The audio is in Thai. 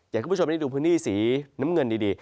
ให้คุณผู้ชมได้ดูพื้นที่สีน้ำเงินดี